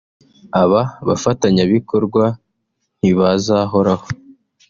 Aba bafatanyabikorwa ntibazahoraho